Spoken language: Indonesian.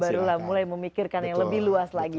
barulah mulai memikirkan yang lebih luas lagi